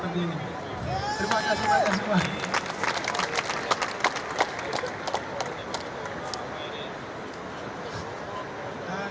mungkin itu saja yang bisa saya sampaikan